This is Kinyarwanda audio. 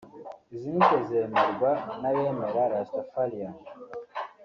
Izi nyito zemerwa n’abemera Rastafarian